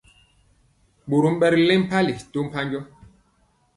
Ɓorom ɓɛ ri lɛŋ mpali to mpanjɔ.